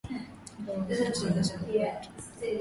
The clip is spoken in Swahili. Leo na kesho ni siku zetu